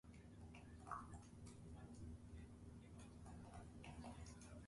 There are three general type of monks: Healing, Protecting, and Smiting.